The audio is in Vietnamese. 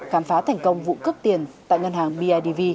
khám phá thành công vụ cướp tiền tại ngân hàng bidv